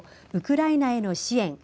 ウクライナへの支援